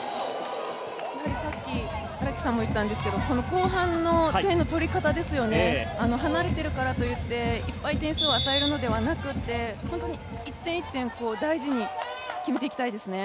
後半の点の取り方ですよね、離れているからといっていっぱい点数を与えるのではなくて本当に１点１点、大事に決めていきたいですね。